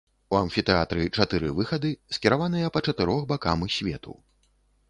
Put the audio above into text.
У амфітэатры чатыры выхады скіраваныя па чатырох бакам свету.